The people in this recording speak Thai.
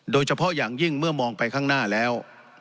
โดยเฉพาะอย่างยิ่งเมื่อมองไปข้างหน้าแล้ว